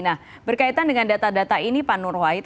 nah berkaitan dengan data data ini pak nur wahid